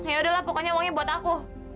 yaudahlah pokoknya uangnya buat aku